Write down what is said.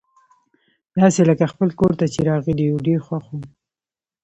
داسي لکه خپل کور ته چي راغلي یو، ډېر خوښ وو.